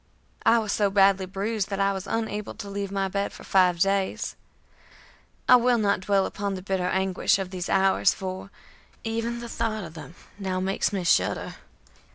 I was so badly bruised that I was unable to leave my bed for five days. I will not dwell upon the bitter anguish of these hours, for even the thought of them now makes me shudder.